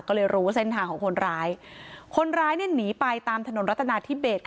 ก็เลยรู้เส้นทางของคนร้ายคนร้ายเนี่ยหนีไปตามถนนรัฐนาธิเบส